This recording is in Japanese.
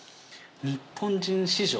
日本人史上？